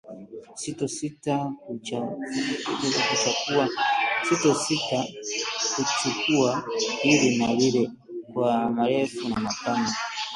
sitosita kuchakua hili na lile kwa marefu na mapana